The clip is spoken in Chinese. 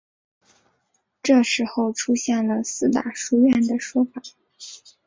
这时候出现了四大书院的说法。